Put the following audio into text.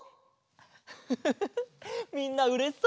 フフフフフみんなうれしそう！